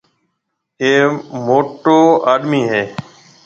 اَي موٽو آڏمِي هيَ۔